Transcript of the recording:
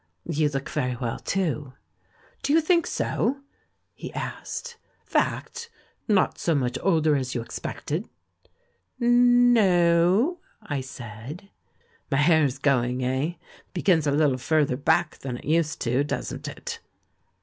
"You look very w^ell, too." "Do you think so?" he asked. "Fact? Not so much older as you expected?" "N— no," I said. "]My hair's going, eh? begins a little further back than it used to, doesn't it?"